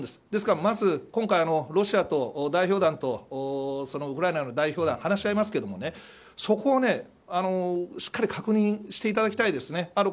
ですから、まず今回、ロシアの代表団とウクライナの代表団話し合いますけれどもそこをしっかり確認していただきたいですね。